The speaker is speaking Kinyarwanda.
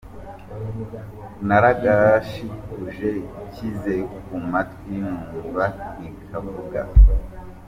Naragashikuje nshyize ku matwi numva ntikavuga.